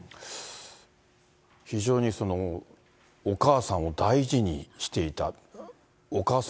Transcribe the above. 非常にお母さんを大事にしていた。